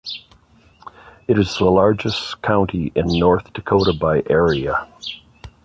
It is the largest county in North Dakota by area.